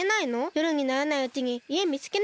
よるにならないうちにいえみつけないと。